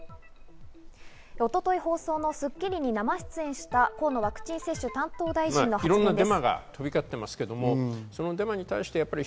一昨日放送の『スッキリ』に生出演した河野ワクチン接種担当大臣の発言です。